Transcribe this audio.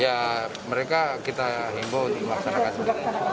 ya mereka kita himbaw di melaksanakan sendiri